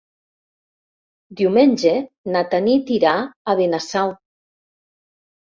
Diumenge na Tanit irà a Benasau.